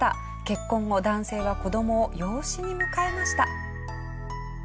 結婚後男性は子供を養子に迎えました。